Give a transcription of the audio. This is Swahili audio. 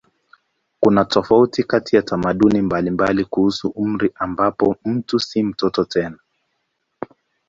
Kuna tofauti katika tamaduni mbalimbali kuhusu umri ambapo mtu si mtoto tena.